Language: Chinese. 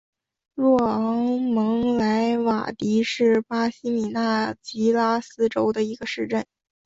若昂蒙莱瓦迪是巴西米纳斯吉拉斯州的一个市镇。